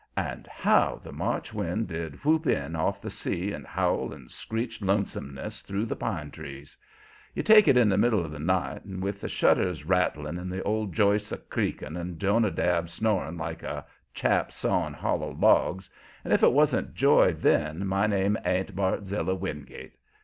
And how the March wind did whoop in off the sea and howl and screech lonesomeness through the pine trees! You take it in the middle of the night, with the shutters rattling and the old joists a creaking and Jonadab snoring like a chap sawing hollow logs, and if it wan't joy then my name ain't Barzilla Wingate.